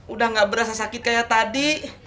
udah gak berasa sakit kayak tadi